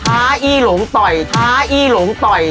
้าอี้หลงต่อยท้าอี้หลงต่อย